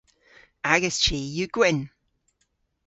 Agas chi yw gwynn.